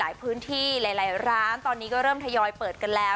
หลายพื้นที่หลายร้านตอนนี้ก็เริ่มทยอยเปิดกันแล้ว